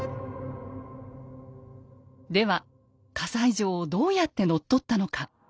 では西城をどうやって乗っ取ったのか。